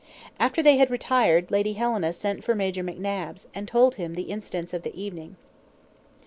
After they had retired. Lady Helena sent for Major McNabbs, and told him the incidents of the evening.